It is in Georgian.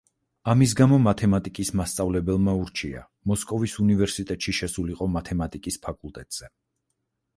ამის გამო, მათემატიკის მასწავლებელმა ურჩია, მოსკოვის უნივერსიტეტში შესულიყო მათემატიკის ფაკულტეტზე.